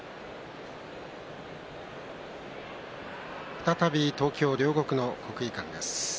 再び東京・両国の国技館です。